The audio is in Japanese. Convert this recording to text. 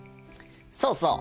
そうそう。